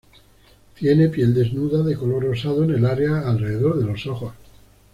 Tiene piel desnuda de color rosado en el área alrededor de los ojos.